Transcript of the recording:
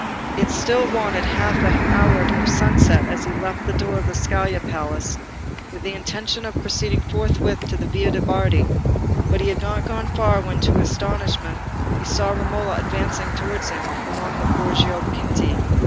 It still wanted half an hour of sunset as he left the door of the Scala palace, with the intention of proceeding forthwith to the Via de' Bardi; but he had not gone far when, to his astonishment, he saw Romola advancing towards him along the Borgo Pinti.